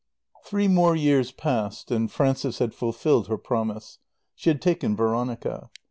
X Three more years passed and Frances had fulfilled her promise. She had taken Veronica.